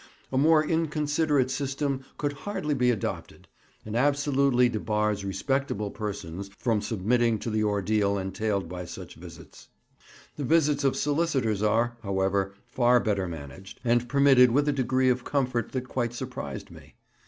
A more inconsiderate system could hardly be adopted, and absolutely debars respectable persons from submitting to the ordeal entailed by such visits. The visits of solicitors are, however, far better managed, and permitted with a degree of comfort that quite surprised me.